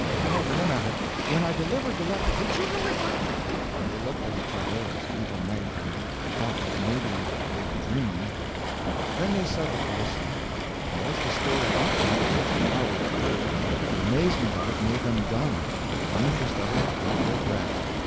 However, no matter. When I delivered the letter " "Did you deliver it?" And they looked at each other as people might who thought that maybe they were dreaming. Then they settled to listening; and as the story deepened and its marvels grew, the amazement of it made them dumb, and the interest of it took their breath.